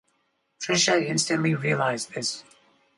Tricia instantly realized this.